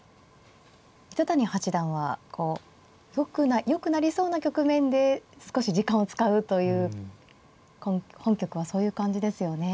糸谷八段はこうよくなりそうな局面で少し時間を使うという本局はそういう感じですよね。